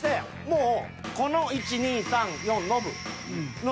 もうこの１２３４ノブ。